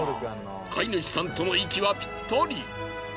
飼い主さんとの息はピッタリ。